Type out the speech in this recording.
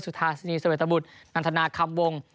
สุธาสินีสเวตบุตรนันทนาคัมวง